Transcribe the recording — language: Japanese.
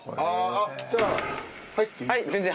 あっじゃあ入っていいって事？